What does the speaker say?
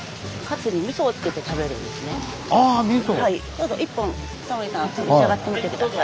どうぞ一本タモリさん召し上がってみて下さい。